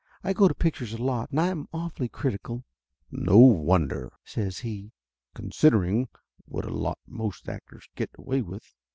I go to pictures a lot, and I'm awfully critical." "No wonder!" says he. "Considering what a lot most actors get away with!